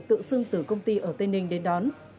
tự xưng từ công ty ở tây ninh đến đón